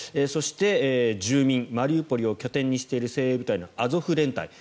そして、住民マリウポリを拠点にしている精鋭部隊のアゾフ連隊。